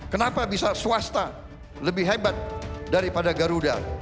kenapa bisa swasta lebih hebat daripada garuda